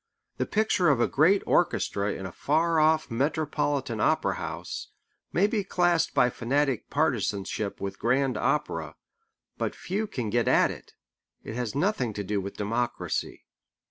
The picture with a great orchestra in a far off metropolitan Opera House, may be classed by fanatic partisanship with Grand Opera. But few can get at it. It has nothing to do with Democracy.